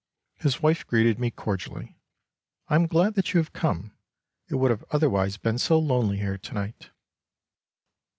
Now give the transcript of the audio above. His wife greeted me cordially :" I am glad that you have come, it would have otherwise been so lonely here to night."